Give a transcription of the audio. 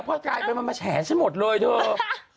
พอสไกล์มันมาแฉนฉันหมดเลยเท่า